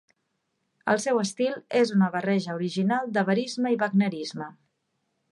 El seu estil és una barreja original de verisme i wagnerisme.